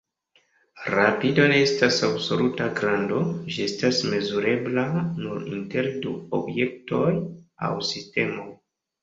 Rapido ne estas absoluta grando; ĝi estas mezurebla nur inter du objektoj aŭ sistemoj.